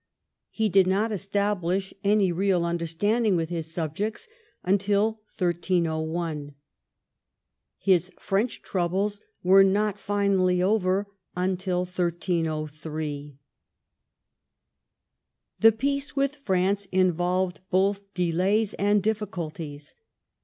He did not establish any real understanding with his subjects until 1301. His French troubles were not finally over until 1303. The peace with France involved both delays and difficulties.